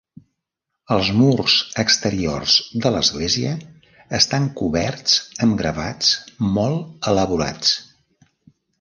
Els murs exteriors de l'església estan coberts amb gravats molt elaborats.